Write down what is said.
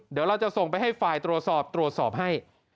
เดี๋ยวเราจะส่งไปให้ไฟล์ตรวจสอบตรวจสอบให้